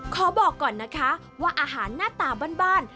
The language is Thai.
ขอบอกก่อนนะคะว่าอาหารหน้าตาบ้าน